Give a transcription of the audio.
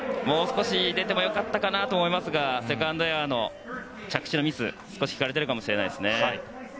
もう少し出ても良かったかなと思いますがセカンドエアの着地のミス少し引かれているかもしれないです。